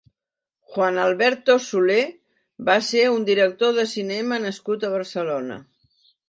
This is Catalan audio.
Juan Alberto Soler va ser un director de cinema nascut a Barcelona.